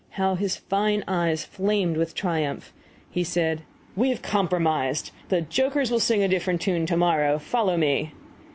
How his fine eyes flamed with triumph! He said: "We've compromised! The jokers will sing a different tune to morrow! Follow me!"